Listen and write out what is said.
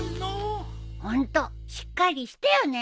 ホントしっかりしてよね！